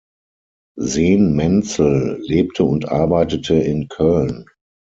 Sen-Menzel lebte und arbeitete in Köln.